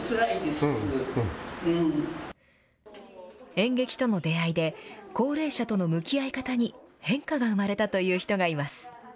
演劇との出会いで、高齢者との向き合い方に変化が生まれたという人がいます。